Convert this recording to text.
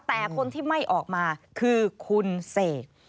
แต่คนที่ไม่ออกมาคือคุณเสก